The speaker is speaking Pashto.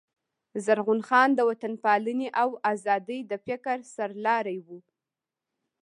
زرغون خان د وطن پالني او آزادۍ د فکر سر لاری وو.